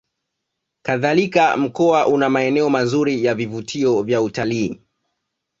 Kadhalika Mkoa una maeneo mazuri ya vivutio vya utalii